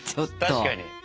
確かに。